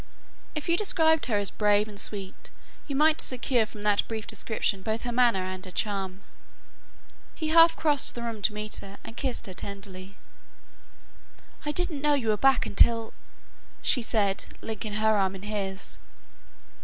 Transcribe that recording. If you described her as brave and sweet you might secure from that brief description both her manner and her charm. He half crossed the room to meet her, and kissed her tenderly. "I didn't know you were back until " she said; linking her arm in his.